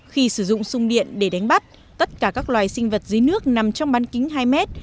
khi sử dụng sung điện để đánh bắt tất cả các loài sinh vật dưới nước nằm trong bán kính hai mét